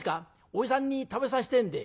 おじさんに食べさせてえんで」。